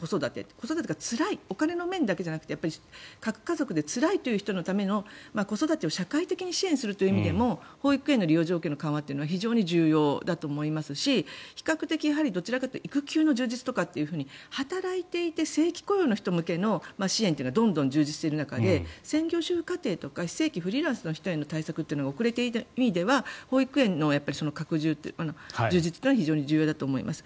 子育てがつらいお金の面だけじゃなくて核家族でつらいという人のための子育てを社会的に支援するためにも保育所の利用条件緩和は重要ですし比較的、育休の充実とか働いていて正規雇用の人向けの支援というのがどんどん充実する中で専業主婦家庭、非正規フリーランスの方への支援が遅れているという意味では保育園の拡充、充実は非常に重要だと思います。